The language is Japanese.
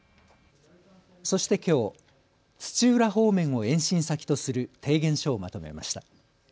そして、きょう土浦方面を延伸先とする提言書をまとめました。